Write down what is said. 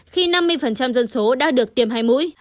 khi năm mươi dân số đã được tiêm hai mũi